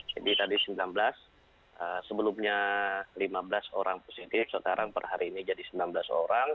jadi tadi sembilan belas sebelumnya lima belas orang positif sekarang pada hari ini jadi sembilan belas orang